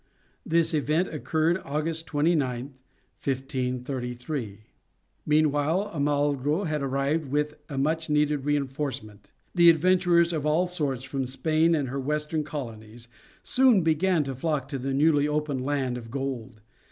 This event occurred August 29, 1533. Meanwhile Almagro had arrived with a much needed reinforcement; and adventurers of all sorts, from Spain and her western colonies, soon began to flock to the newly opened land of gold.